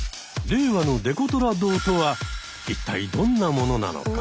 令和のデコトラ道とは一体どんなものなのか。